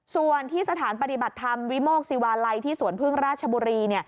ส่วนที่สถานปฏิบัติธรรมวิโมกศิวาลัยที่สวนพึ่งราชบุรี